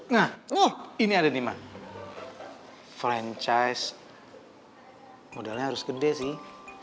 nah oh ini ada nih ma franchise modalnya harus gede sih